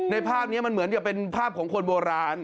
ภาพนี้มันเหมือนกับเป็นภาพของคนโบราณ